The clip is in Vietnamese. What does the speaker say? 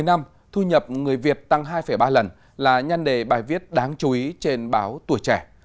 một mươi năm thu nhập người việt tăng hai ba lần là nhân đề bài viết đáng chú ý trên báo tuổi trẻ